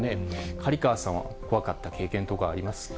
刈川さんは怖かった経験とかありますか？